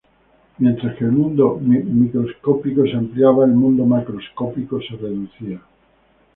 Mientras que el mundo microscópico se ampliaba, el mundo macroscópico se reducía.